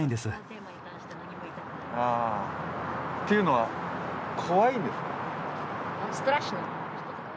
というのは、怖いですか。